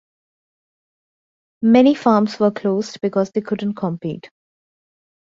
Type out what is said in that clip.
Many farms were closed because they couldn’t compete.